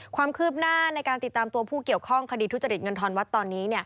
ความคืบหน้าในการติดตามตัวผู้เกี่ยวข้องคดีทุจริตเงินทอนวัดตอนนี้